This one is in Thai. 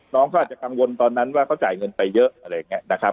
น้องเขาอาจจะกังวลตอนนั้นว่าเขาจ่ายเงินไปเยอะอะไรอย่างนี้นะครับ